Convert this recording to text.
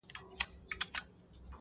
o بدي دي وکړه، د لويه کوره.